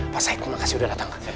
pak said terima kasih sudah datang